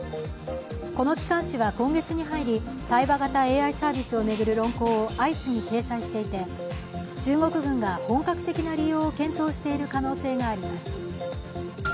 この機関紙は今月に入り対話型ＡＩサービスを巡る論考を相次ぎ後悔していて、中国軍が本格的な利用を検討している可能性があります。